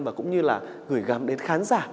và cũng như là gửi gắm đến khán giả